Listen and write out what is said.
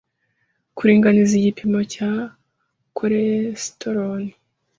Kuringaniza igipimo cya cholesterol